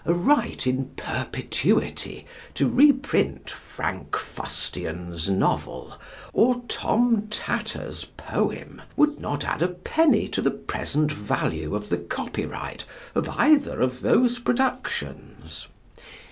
A right in perpetuity to reprint Frank Fustian's novel or Tom Tatter's poem would not add a penny to the present value of the copyright of either of those productions.